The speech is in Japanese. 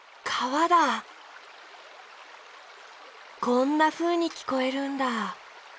こんなふうにきこえるんだ。